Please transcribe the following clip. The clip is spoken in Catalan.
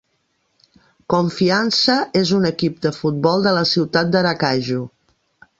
Confiança és un equip de futbol de la ciutat d'Aracaju.